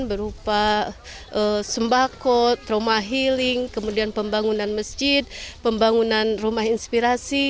berupa sembako trauma healing kemudian pembangunan masjid pembangunan rumah inspirasi